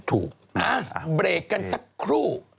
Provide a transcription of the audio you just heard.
ถูกนะบริเวณกันสักครู่